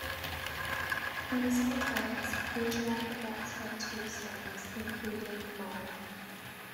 In some accounts, Ogier begets her two sons, including Marlyn.